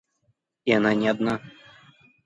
И она не одна.